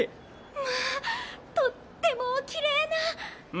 まあとってもおきれいな！